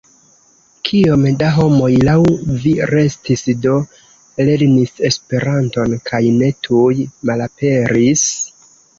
Kiom da homoj laŭ vi restis, do lernis Esperanton kaj ne tuj malaperis?